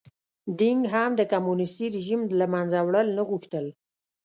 دینګ هم د کمونېستي رژیم له منځه وړل نه غوښتل.